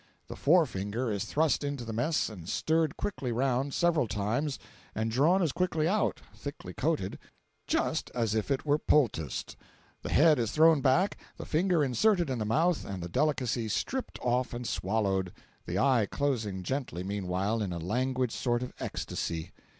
The forefinger is thrust into the mess and stirred quickly round several times and drawn as quickly out, thickly coated, just as it it were poulticed; the head is thrown back, the finger inserted in the mouth and the delicacy stripped off and swallowed—the eye closing gently, meanwhile, in a languid sort of ecstasy.